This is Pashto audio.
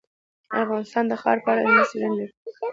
افغانستان د خاوره په اړه علمي څېړنې لري.